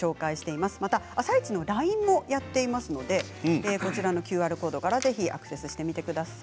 また「あさイチ」のＬＩＮＥもやっていますのでこちらのＱＲコードからぜひアクセスしてみてください。